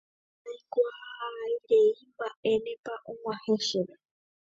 ndaikuaairei mba'énepa og̃uahẽ chéve